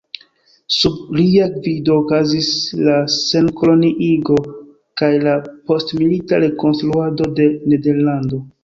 Sub lia gvido okazis la senkoloniigo kaj la postmilita rekonstruado de Nederlando.